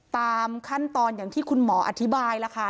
ตามขั้นตอนอย่างที่คุณหมออธิบายล่ะค่ะ